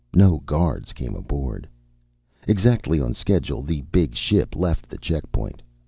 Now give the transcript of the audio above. No guards came aboard. Exactly on schedule, the big ship left the checkpoint.